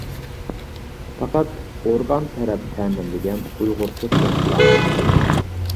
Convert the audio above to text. پەقەت ئورگان تەرەپ تەمىنلىگەن ئۇيغۇرچە فونت بار.